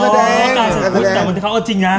แต่เหมือนกับเขาเอาจริงนะ